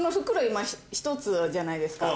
今１つじゃないですか。